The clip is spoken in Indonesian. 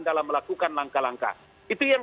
dalam melakukan langkah langkah itu yang